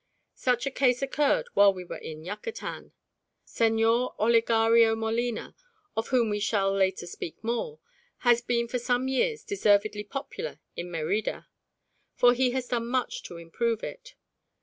Such a case occurred while we were in Yucatan. Señor Olegario Molina, of whom we shall later speak more, has been for some years deservedly popular in Merida, for he has done much to improve it.